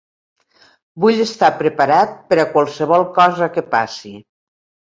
Vull estar preparat per a qualsevol cosa que passi.